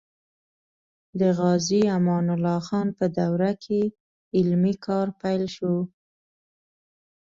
د غازي امان الله خان په دوره کې علمي کار پیل شو.